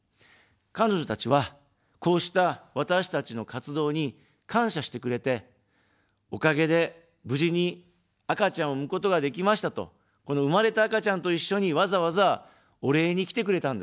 彼女たちは、こうした私たちの活動に感謝してくれて、おかげで無事に赤ちゃんを産むことができましたと、この生まれた赤ちゃんと一緒に、わざわざ、お礼に来てくれたんです。